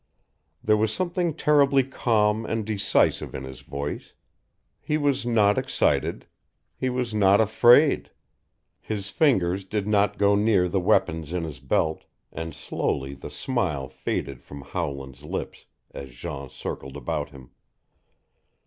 There was something terribly calm and decisive in his voice. He was not excited. He was not afraid. His fingers did not go near the weapons in his belt, and slowly the smile faded from Howland's lips as Jean circled about him.